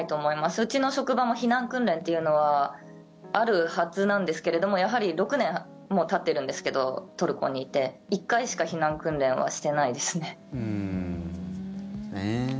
うちの職場も避難訓練というのはあるはずなんですけれどもやはり６年もたってるんですけどトルコにいて１回しか避難訓練はしてないですね。